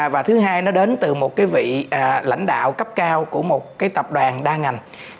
và thứ hai nó đến từ một cái vị lãnh đạo cấp cao của một cái tập đoàn đa ngành